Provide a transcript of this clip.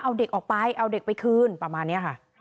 เอาเด็กออกไปเอาเด็กไปคืนประมาณนี้ค่ะ